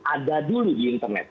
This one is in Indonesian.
ada dulu di internet